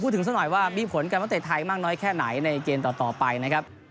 พูดถึงสักหน่อยว่ามีผลกันตั้งแต่ไทยมากน้อยแค่ไหนในเกณฑ์ต่อไปนะครับ